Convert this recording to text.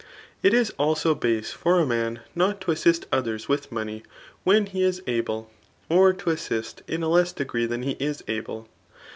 It is also base for a man not to assist others with money when he is able^ or to assist in a less degree than he is able.